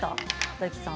大吉さん。